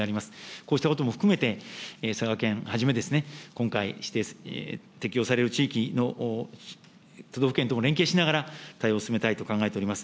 こうしたことも含めて、佐賀県はじめ今回、適用される地域の都道府県とも連携しながら、対応を進めたいと考えております。